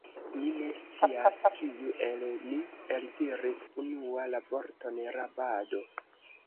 Mi ne scias, kiu el ni eldiris unua la vorton rabado.